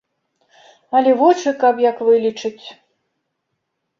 Але вочы каб як вылечыць.